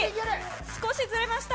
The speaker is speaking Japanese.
少しずれました。